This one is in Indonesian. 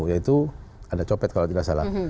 yaitu ada copet kalau tidak salah